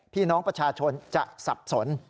พี่น้องประชาชนจะสับสน